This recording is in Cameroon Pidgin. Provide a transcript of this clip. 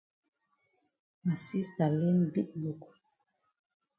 Ma sista learn big book.